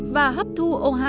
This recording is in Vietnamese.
và hấp thu o hai